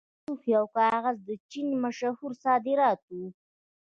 چای، لوښي او کاغذ د چین مشهور صادرات وو.